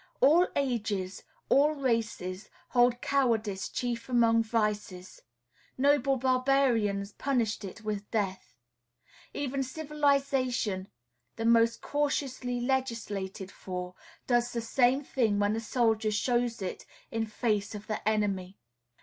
All ages, all races, hold cowardice chief among vices; noble barbarians punished it with death. Even civilization the most cautiously legislated for, does the same thing when a soldier shows it "in face of the enemy."